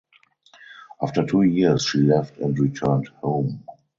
After two years she left and returned home.